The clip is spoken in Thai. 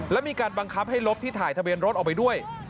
และมีการบังคับให้ลบที่ถ่ายทะเบียนรถออกไปด้วย